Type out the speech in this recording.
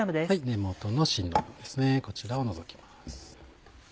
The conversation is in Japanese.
根元の芯の部分こちらを除きます。